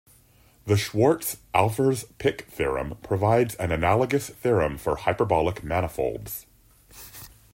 The Schwarz-Ahlfors-Pick theorem provides an analogous theorem for hyperbolic manifolds.